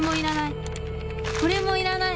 これもいらない！